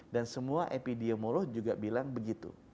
dan semua epidemiolog juga bilang begitu